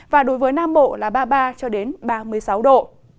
và đối với nam bộ là ba mươi ba ba mươi năm độ